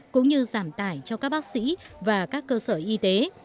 cũng như giảm tải cho các bác sĩ và các cơ sở y tế